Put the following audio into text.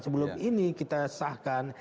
sebelum ini kita sahkan